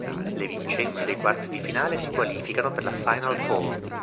Le vincenti dei quarti di finale si qualificano per la "final four".